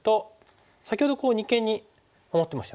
先ほど二間に守ってましたよね。